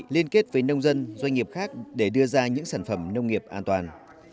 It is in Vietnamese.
liên kết với nông dân doanh nghiệp khác để đưa ra những sản phẩm nông nghiệp an toàn